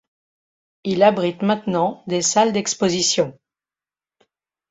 Il abrite maintenant des salles d'expositions.